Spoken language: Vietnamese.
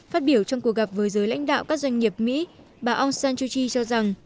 phát biểu trong cuộc gặp với giới lãnh đạo các doanh nghiệp mỹ bà ong san suu kyi cho rằng